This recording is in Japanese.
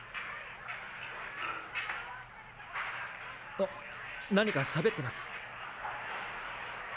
あっ何かしゃべってます。